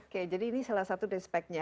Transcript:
oke jadi ini salah satu dari speknya